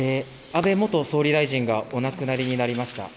安倍元総理大臣がお亡くなりになりました。